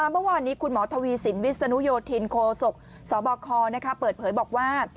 เมื่อวานนี้คุณหมอทวีสินวิศนุโยธินโคศกสบคเปิดเผยบอกว่า